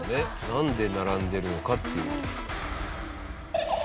なんで並んでいるのかっていう。